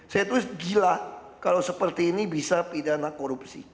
saya tulis gila kalau seperti ini bisa pidana korupsi